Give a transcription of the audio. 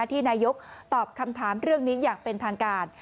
ที่นายกตอบคำถามเรื่องนี้อย่างเป็นทางการ